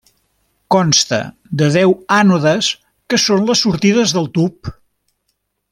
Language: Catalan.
Consta de deu ànodes que són les sortides del tub.